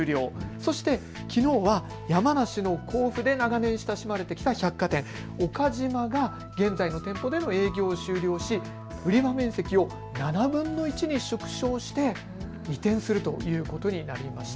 そして、きのうは山梨の甲府で長年親しまれてきた百貨店、岡島が現在の店舗での営業を終了し売り場面積を７分の１に縮小して移転するということになりました。